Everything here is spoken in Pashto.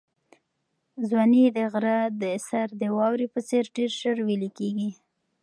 ځواني د غره د سر د واورې په څېر ډېر ژر ویلې کېږي.